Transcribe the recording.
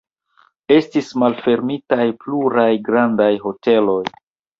Estis malfermitaj pluraj grandaj hoteloj.